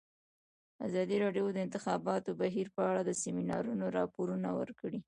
ازادي راډیو د د انتخاباتو بهیر په اړه د سیمینارونو راپورونه ورکړي.